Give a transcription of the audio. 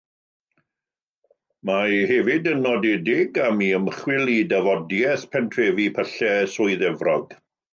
Mae hefyd yn nodedig am ei ymchwil i dafodiaith pentrefi pyllau Swydd Efrog.